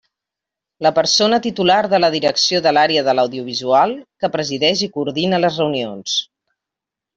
La persona titular de la Direcció de l'Àrea de l'Audiovisual, que presideix i coordina les reunions.